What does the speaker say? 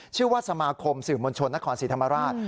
ชื่อว่าสมาคมสื่อมวลชนนครศรีธรรมราช